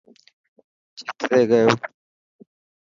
ڇت تي گيو.